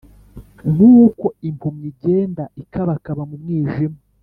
nk’uko impumyi igenda ikabakaba mu mwijima,